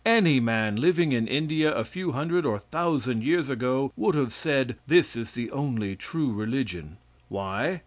Any man living in India a few hundred or thousand years ago would have said, this is the only true religion. Why?